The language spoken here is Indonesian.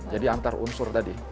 jadi antar unsur tadi